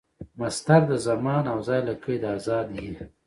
مصدر د زمان او ځای له قیده آزاد يي.